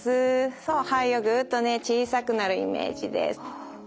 そう肺をぐっとね小さくなるイメージです。